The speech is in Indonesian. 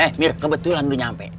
eh mir kebetulan lu nyampe